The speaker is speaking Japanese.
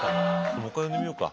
もう一回呼んでみようか。